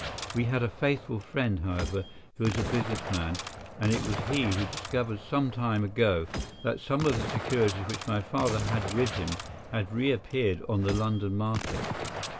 We had a faithful friend, however, who is a business man, and it was he who discovered some time ago that some of the securities which my father had with him had reappeared on the London market.